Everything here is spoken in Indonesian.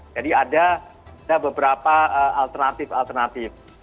jadi ada beberapa alternatif alternatif